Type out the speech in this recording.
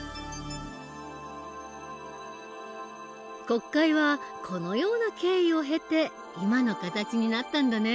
国会はこのような経緯を経て今の形になったんだね。